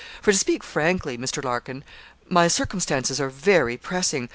'For, to speak frankly, Mr. Larkin, my circumstances are very pressing.